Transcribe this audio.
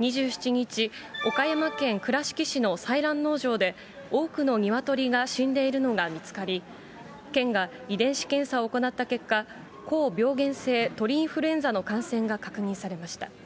２７日、岡山県倉敷市の採卵農場で、多くの鶏が死んでいるのが見つかり、県が遺伝子検査を行った結果、高病原性鳥インフルエンザの感染が確認されました。